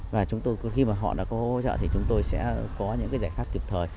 và khi họ đã có hỗ trợ thì chúng tôi sẽ có những giải pháp kịp thời